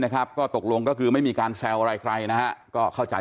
ก็ตกลงก็คือไม่มีการแซวอะไรใครนะฮะก็เข้าใจ